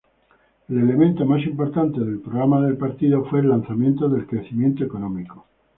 El elemento más importante del programa del partido fue el lanzamiento del crecimiento económico.